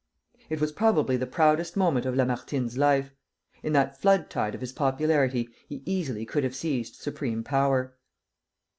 It was probably the proudest moment of Lamartine's life; in that flood tide of his popularity he easily could have seized supreme power.